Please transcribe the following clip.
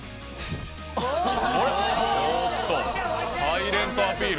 サイレントアピール。